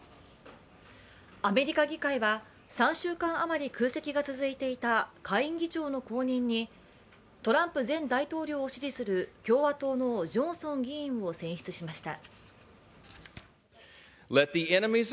アメリカ議会は３週間あまり空席が続いていた下院議長の後任に、トランプ前大統領を支持する共和党のジョンソン議員を選出しました。